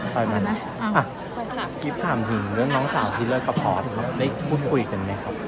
กิฟต์ถามถึงเรื่องน้องสาวที่เลิกกับพอร์ตครับได้พูดคุยกันไหมครับ